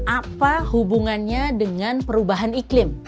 apa hubungannya dengan perubahan iklim